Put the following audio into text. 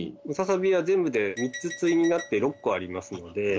ムササビは全部で３つ対になって６個ありますので。